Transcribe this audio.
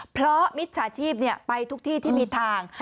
เพราะมิจฉาชีพไปทุกที่ที่มีทาง